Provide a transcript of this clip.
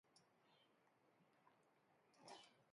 Tim arrives at the church just as Colt prepares to kill Ellen May.